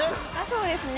そうですね